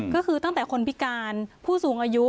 ก็คือตั้งแต่คนพิการผู้สูงอายุ